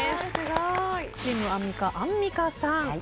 チームアンミカアンミカさん。